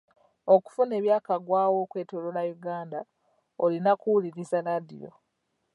Okufuna ebyakagwawo okwetoloola Uganda olina kuwuliriza laadiyo.